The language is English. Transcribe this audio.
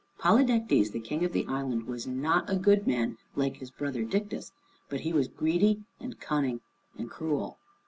Polydectes, the King of the island, was not a good man like his brother Dictys, but he was greedy and cunning and cruel.